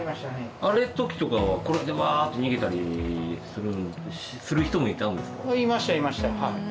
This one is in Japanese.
あれの時とかはこれでわーっと逃げたりする人もいたんですか？